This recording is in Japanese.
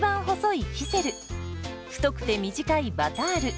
太くて短いバタール。